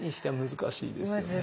難しいですね。